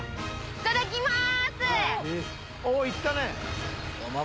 いただきます！